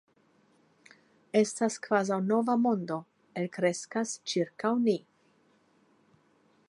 Estas kvazaŭ nova mondo elkreskas ĉirkaŭ ni.